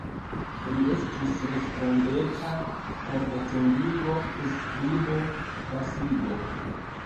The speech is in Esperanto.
Li estis respondeca por identigo, priskribo, klasigo.